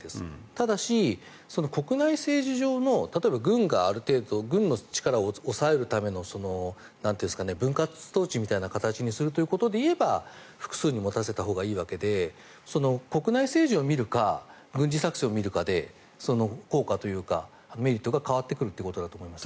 ただし国内政治上の例えば軍がある程度軍の力を抑えるための分割統治という形にするということでいえば複数に持たせたほうがいいわけで国内政治を見るか軍事作戦を見るかで効果というかメリットが変わってくるということだと思います。